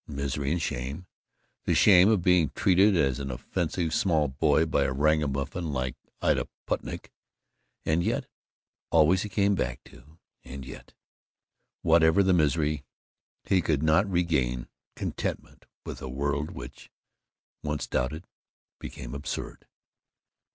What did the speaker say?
Misery and shame the shame of being treated as an offensive small boy by a ragamuffin like Ida Putiak! And yet Always he came back to "And yet." Whatever the misery, he could not regain contentment with a world which, once doubted, became absurd.